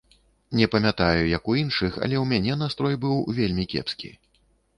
Не памятаю, як у іншых, але ў мяне настрой быў вельмі кепскі.